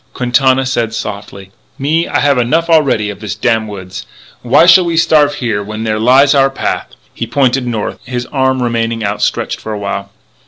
Quintana said softly: "Me, I have enough already of this damn woods. Why shall we starve here when there lies our path?" He pointed north; his arm remained outstretched for a while.